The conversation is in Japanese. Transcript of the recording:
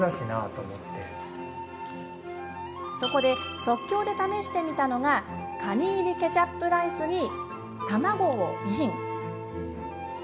そこで即興で試してみたのがかに入りケチャップライスに卵をイン。